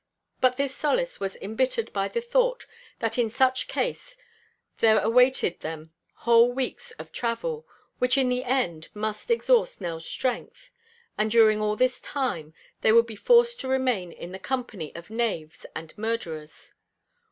But this solace was embittered by the thought that in such case there awaited them whole weeks of travel, which in the end must exhaust Nell's strength, and during all this time they would be forced to remain in the company of knaves and murderers.